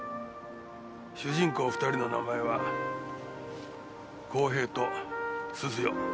主人公２人の名前は康平と鈴代。